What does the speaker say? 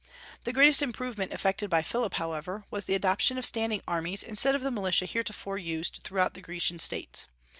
The greatest improvement effected by Philip, however, was the adoption of standing armies instead of the militia heretofore in use throughout the Grecian States.